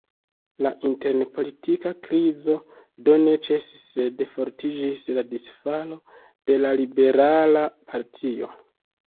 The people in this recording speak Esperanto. La intern-politika krizo do ne ĉesis, sed fortiĝis la disfalo de la Liberala partio.